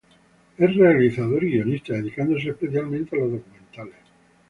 Es realizador y guionista, dedicándose especialmente a los documentales.